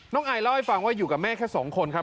อายเล่าให้ฟังว่าอยู่กับแม่แค่สองคนครับ